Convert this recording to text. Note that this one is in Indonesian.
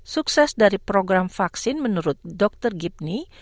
sukses dari program vaksin menurut dr gibney